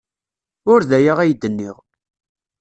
Ur d aya ay d-nniɣ.